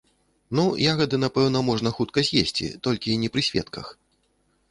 Ну, ягады, напэўна, можна хутка з'есці, толькі не пры сведках.